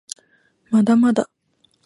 まだまだ